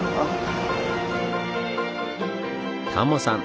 タモさん